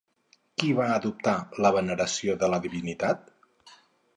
Qui va adoptar la veneració de la divinitat?